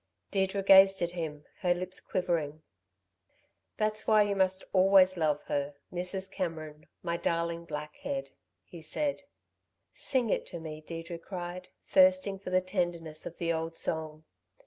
Deirdre gazed at him, her lips quivering. "That's why you must always love her Mrs. Cameron my darling black head," he said. "Sing it to me," Deirdre cried, thirsting for the tenderness of the old song.